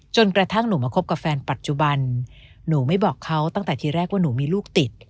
กระทั่งหนูมาคบกับแฟนปัจจุบันหนูไม่บอกเขาตั้งแต่ทีแรกว่าหนูมีลูกติด